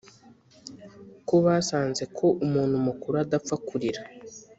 Kobasanze ko umuntu mukuru adapfa kurira